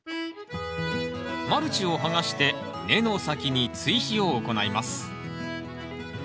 マルチを剥がして根の先に追肥を行います